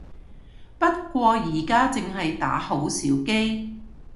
不過而家淨係打好少機